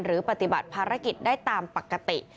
ปฏิบัติภารกิจได้ตามปกติ